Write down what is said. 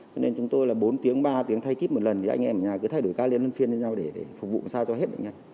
cho nên chúng tôi là bốn tiếng ba tiếng thay kíp một lần thì anh em ở nhà cứ thay đổi ca liên lân phiên với nhau để phục vụ một sao cho hết bệnh nhân